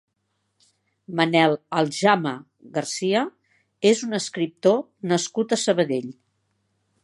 Manel Aljama Garcia és un escriptor nascut a Sabadell.